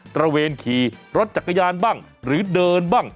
ระเวนขี่รถจักรยานบ้างหรือเดินบ้าง